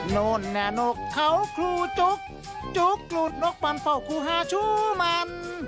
โน่นแน่นุกเขาคลูจุ๊กจุ๊กหลุดนกบอนโฟ่คลูฮาชูมัน